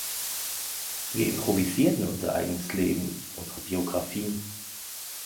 Wir improvisierten unser eigenes Leben, unsere Biographien.